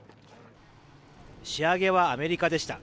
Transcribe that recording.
仕上げはアメリカでした。